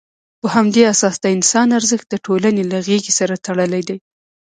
په همدې اساس، د انسان ارزښت د ټولنې له غېږې سره تړلی دی.